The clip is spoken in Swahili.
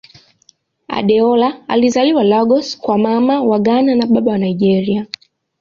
Adeola alizaliwa Lagos kwa Mama wa Ghana na Baba wa Nigeria.